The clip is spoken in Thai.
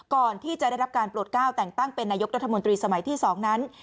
ก่อนที่จะได้รับการโปรดก้าวแต่งตั้งเป็นนายกรัฐมนตรีสมัยที่๒นั้น